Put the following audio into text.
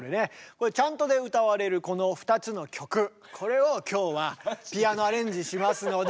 これチャントで歌われるこの２つの曲これを今日はピアノアレンジしますので。